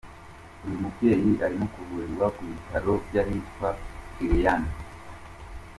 Uyu mubyeyi arimo kuvurirwa ku bitaro by’ ahitwa Kiriaini.